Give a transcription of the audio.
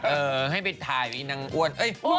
เออให้ไปถ่ายไว้แต่งกัน